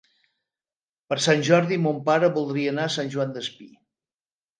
Per Sant Jordi mon pare voldria anar a Sant Joan Despí.